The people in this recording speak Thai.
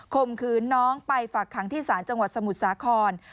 มขืนน้องไปฝากขังที่ศาลจังหวัดสมุทรสาคร